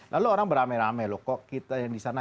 lalu orang beramai ramai loh kok kita yang disana